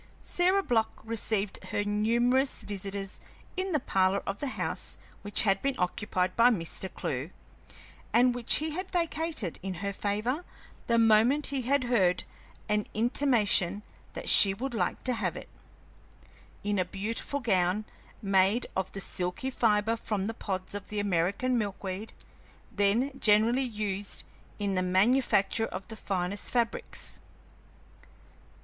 Sarah Block received her numerous visitors in the parlor of the house which had been occupied by Mr. Clewe (and which he had vacated in her favor the moment he had heard an intimation that she would like to have it), in a beautiful gown made of the silky fibre from the pods of the American milk weed, then generally used in the manufacture of the finest fabrics.